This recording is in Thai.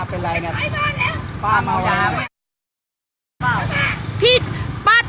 เป็นอะไรนะป่ามาวัน